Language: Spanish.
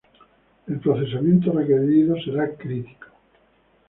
El procesamiento requerido será crítico.